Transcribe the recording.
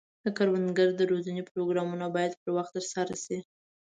د کروندګرو د روزنې پروګرامونه باید پر وخت ترسره شي.